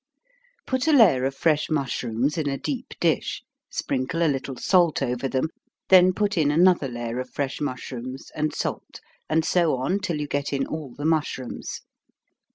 _ Put a layer of fresh mushrooms in a deep dish, sprinkle a little salt over them, then put in another layer of fresh mushrooms, and salt, and so on till you get in all the mushrooms.